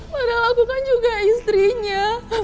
padahal aku kan juga istrinya